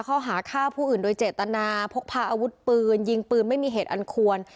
ข้อหาฆ่าผู้อื่นโดยเจตนาพกพาอาวุธปืนยิงปืนไม่มีเหตุอันควร